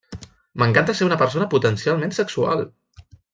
M'encanta ser una persona potencialment sexual!